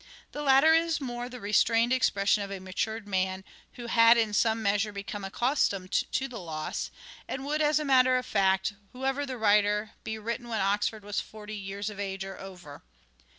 The latter is more the restrained expression of a matured man who had in some measure become accustomed to the loss ; and would as a matter of fact, whoever the writer, be written when Oxford was forty years of age or over.